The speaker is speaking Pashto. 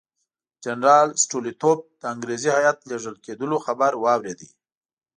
جنرال سټولیتوف د انګریزي هیات لېږل کېدلو خبر واورېد.